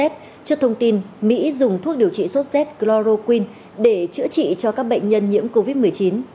trước thông tin mỹ dùng thuốc điều trị sốt z chloroquine để chữa trị cho các bệnh nhân nhiễm covid một mươi chín